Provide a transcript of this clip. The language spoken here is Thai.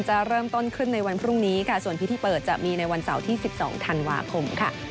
จะเริ่มต้นขึ้นในวันพรุ่งนี้ค่ะส่วนพิธีเปิดจะมีในวันเสาร์ที่๑๒ธันวาคมค่ะ